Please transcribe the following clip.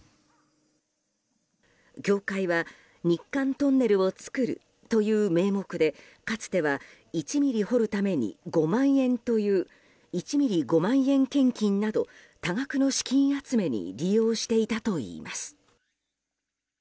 教会は日韓トンネルを造るという名目でかつては１ｍｍ掘るために５万円という１ｍｍ５万円献金など多額の資金集めに利用していたといいます。